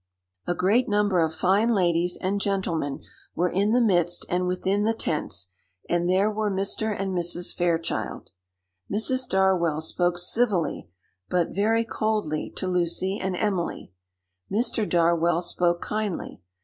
A great number of fine ladies and gentlemen were in the midst and within the tents, and there were Mr. and Mrs. Fairchild. Mrs. Darwell spoke civilly, but very coldly, to Lucy and Emily. Mr. Darwell spoke kindly.